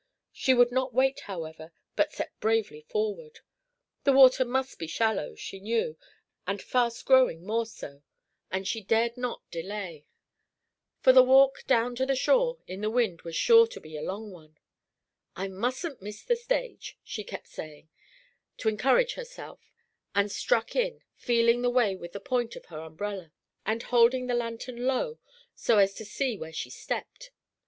She would not wait, however, but set bravely forward. The water must be shallow, she knew, and fast growing more so, and she dared not delay; for the walk down the shore, in the wind, was sure to be a long one, "I mustn't miss the stage," she kept saying, to encourage herself, and struck in, feeling the way with the point of her umbrella, and holding the lantern low, so as to see where she stepped.